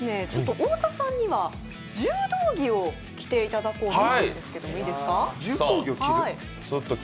太田さんには柔道着を着ていただこうと思うんですけれども。